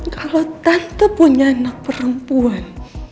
kalau tante punya anak perempuan